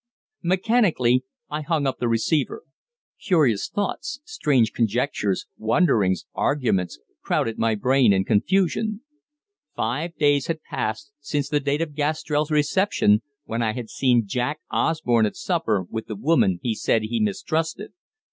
Mechanically I hung up the receiver. Curious thoughts, strange conjectures, wonderings, arguments, crowded my brain in confusion. Five days had passed since the date of Gastrell's reception, when I had seen Jack Osborne at supper with the woman he had said he mistrusted.